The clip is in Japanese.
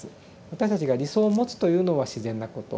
私たちが理想を持つというのは自然なこと。